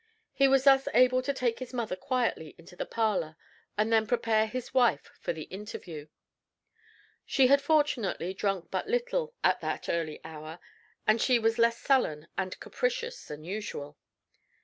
He was thus able to take his mother quietly into the parlor, and then prepare his wife for the interview. She had fortunately drunk but little at that early hour, and she was less sullen and capricious than usual.